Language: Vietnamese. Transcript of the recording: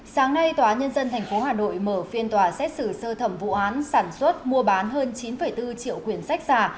sáng nay tòa nhân dân tp hà nội mở phiên tòa xét xử sơ thẩm vụ án sản xuất mua bán hơn chín bốn triệu quyền sách giả